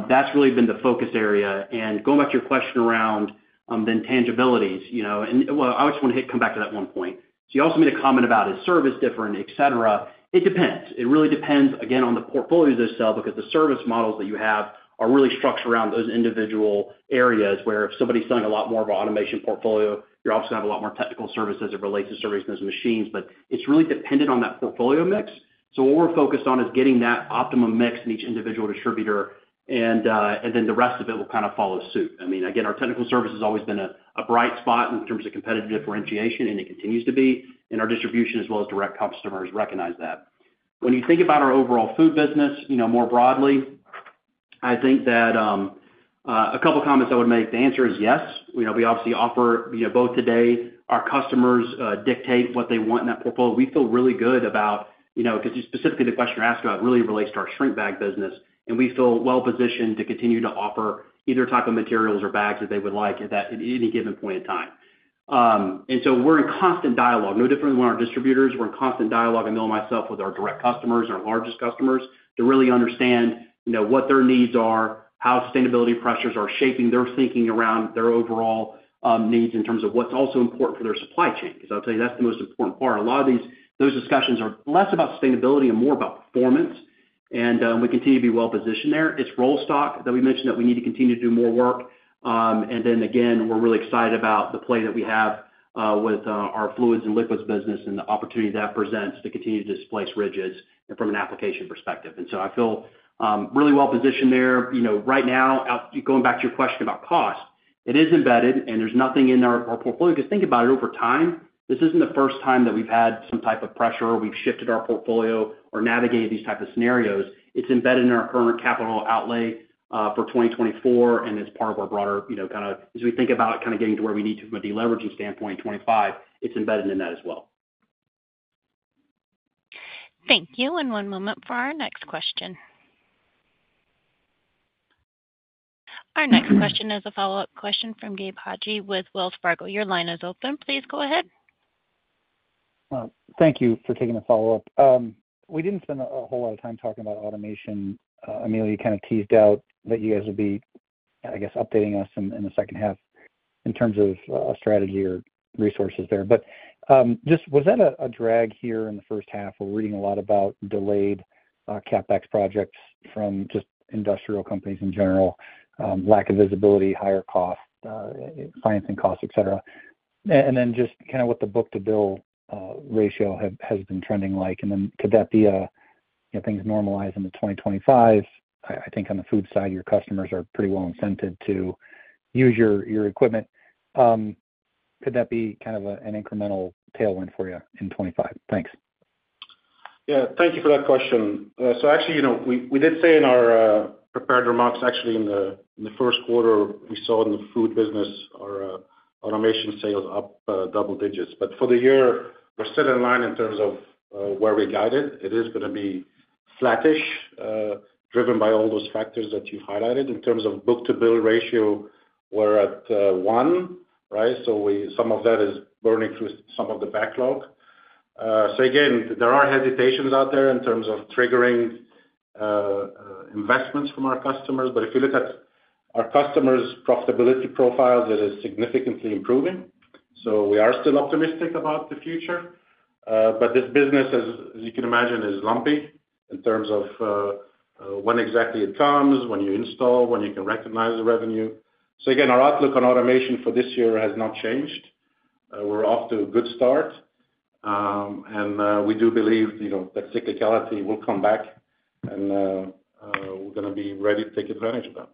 that's really been the focus area. And going back to your question around then tangibilities, you know, and, well, I just want to hit, come back to that one point. So you also made a comment about, is service different, et cetera? It depends. It really depends, again, on the portfolio they sell, because the service models that you have are really structured around those individual areas, where if somebody's selling a lot more of an automation portfolio, you're obviously going to have a lot more technical services as it relates to servicing those machines. But it's really dependent on that portfolio mix. So what we're focused on is getting that optimum mix in each individual distributor, and then the rest of it will kind of follow suit. I mean, again, our technical service has always been a bright spot in terms of competitive differentiation, and it continues to be, and our distribution as well as direct customers recognize that. When you think about our overall food business, you know, more broadly, I think that a couple comments I would make. The answer is yes. You know, we obviously offer, you know, both today. Our customers dictate what they want in that portfolio. We feel really good about, you know, 'cause specifically the question you're asking about really relates to our shrink bag business, and we feel well positioned to continue to offer either type of materials or bags that they would like at any given point in time. And so we're in constant dialogue, no different than with our distributors. We're in constant dialogue, Emile and myself, with our direct customers, our largest customers, to really understand, you know, what their needs are, how sustainability pressures are shaping their thinking around their overall needs in terms of what's also important for their supply chain. 'Cause I'll tell you, that's the most important part. A lot of these, those discussions are less about sustainability and more about performance, and we continue to be well positioned there. It's rollstock that we mentioned that we need to continue to do more work. And then again, we're really excited about the play that we have with our fluids and liquids business and the opportunity that presents to continue to displace rigids from an application perspective. And so I feel really well positioned there. You know, right now, going back to your question about cost, it is embedded, and there's nothing in our portfolio, 'cause think about it, over time, this isn't the first time that we've had some type of pressure, we've shifted our portfolio or navigated these type of scenarios. It's embedded in our current capital outlay for 2024, and it's part of our broader, you know, kind of as we think about kind of getting to where we need to from a deleveraging standpoint in 2025, it's embedded in that as well. Thank you, and one moment for our next question. Our next question is a follow-up question from Gabe Hajde with Wells Fargo. Your line is open. Please go ahead. Well, thank you for taking the follow-up. We didn't spend a whole lot of time talking about automation. Emile, you kind of teased out that you guys would be, I guess, updating us in the second half in terms of strategy or resources there. But just was that a drag here in the first half? We're reading a lot about delayed CapEx projects from just industrial companies in general, lack of visibility, higher costs, financing costs, et cetera. And then just kind of what the book-to-bill ratio has been trending like, and then could that be a, you know, things normalize into 2025? I think on the food side, your customers are pretty well incented to use your equipment. Could that be kind of an incremental tailwind for you in 2025? Thanks. Yeah, thank you for that question. So actually, you know, we did say in our prepared remarks, actually, in the first quarter, we saw in the food business our automation sales up double digits. But for the year, we're still in line in terms of where we guided. It is gonna be flattish, driven by all those factors that you highlighted. In terms of book-to-bill ratio, we're at one, right? So some of that is burning through some of the backlog. So again, there are hesitations out there in terms of triggering investments from our customers, but if you look at our customers' profitability profiles, it is significantly improving. So we are still optimistic about the future. But this business, as you can imagine, is lumpy in terms of when exactly it comes, when you install, when you can recognize the revenue. So again, our outlook on automation for this year has not changed. We're off to a good start, and we do believe, you know, that cyclicality will come back, and we're gonna be ready to take advantage of that.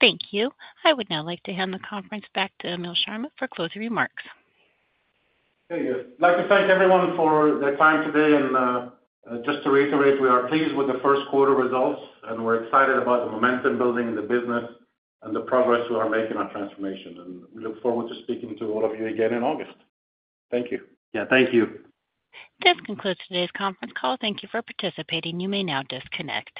Thank you. I would now like to hand the conference back to Emile Chammas for closing remarks. Hey, I'd like to thank everyone for their time today, and just to reiterate, we are pleased with the first quarter results, and we're excited about the momentum building in the business and the progress we are making on transformation. We look forward to speaking to all of you again in August. Thank you. Yeah, thank you. This concludes today's conference call. Thank you for participating. You may now disconnect.